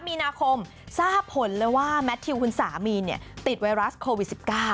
มีนาคมทราบผลเลยว่าแมททิวคุณสามีติดไวรัสโควิด๑๙